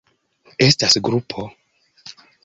Estas grupo.